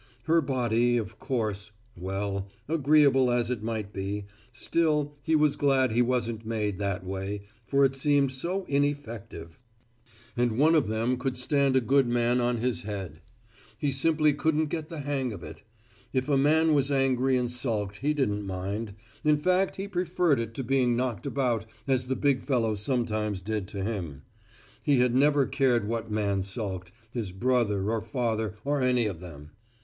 Her body, of course well, agreeable as it might be, still he was glad he wasn't made that way, for it seemed so ineffective. And one of them could stand a good man on his head. He simply couldn't get the hang of that. If a man was angry and sulked, he didn't mind. In fact, he preferred it to being knocked about as the big fellow sometimes did to him. He had never cared what man sulked, his brother or father or any of them.